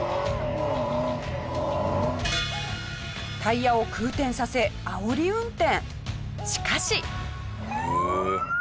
タイヤを空転させあおり運転。